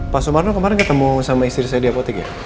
pak sumarno kemarin ketemu sama istri saya di apotik ya